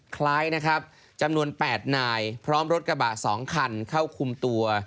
คล้ายนะครับจำนวน๘นายพร้อมรถกระบะ๒คันเข้าคุมตัว